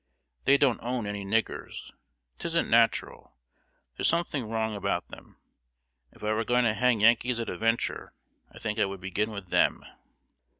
They don't own any niggers. 'Tisn't natural. There's something wrong about them. If I were going to hang Yankees at a venture, I think I would begin with them."